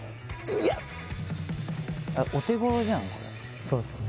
いやお手頃じゃんそうっすね